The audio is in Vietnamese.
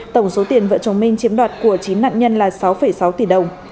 tổng số tiền vợ chồng minh chiếm đoạt của chín nạn nhân là sáu sáu tỷ đồng